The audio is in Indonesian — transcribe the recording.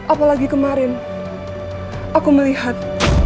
apalagi kemarin aku melihat